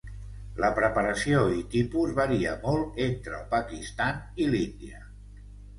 La preparació i tipus varia molt entre el Pakistan i l'Índia.